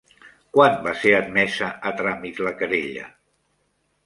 Quan va ser admesa a tràmit la querella?